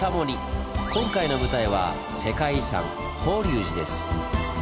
今回の舞台は世界遺産法隆寺です。